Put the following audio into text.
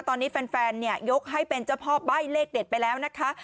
ตอนนี้แฟนยกให้เป็นเจ้าพ่อใบ้เลขเด็ดไปแล้วนะคะ